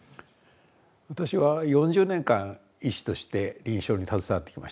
私は４０年間医師として臨床に携わってきました。